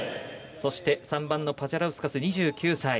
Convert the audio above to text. そして、３番のパジャラウスカス２９歳。